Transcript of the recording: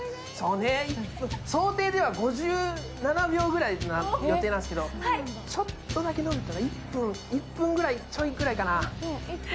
想定では５７秒ぐらいの予定なんですけどちょっとだけ延びた、１分ちょいぐらいかなあ。